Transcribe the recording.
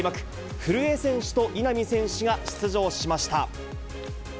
古江選手と稲見選手が出場しました。